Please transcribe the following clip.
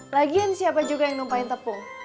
lagian siapa juga yang numpahin tepung